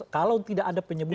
kalau tidak ada penyebutan